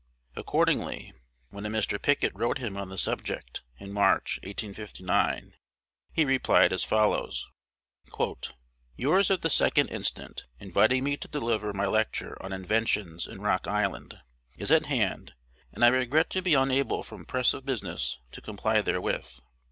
Accordingly, when a Mr. Pickett wrote him on the subject in March, 1859, he replied as follows: "Yours of the 2d instant, inviting me to deliver my lecture on 'Inventions' in Rock Island, is at hand, and I regret to be unable from press of business to comply therewith.